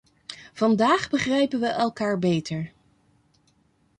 Vandaag begrijpen we elkaar beter.